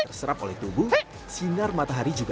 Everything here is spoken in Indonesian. terserap oleh tubuh sinar matahari juga